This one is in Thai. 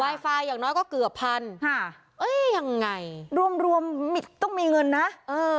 ไฟล์อย่างน้อยก็เกือบพันค่ะเอ้ยยังไงรวมรวมต้องมีเงินนะเออ